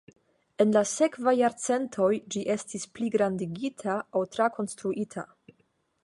En la sekvaj jarcentoj ĝi estis pligrandigita aŭ trakonstruita.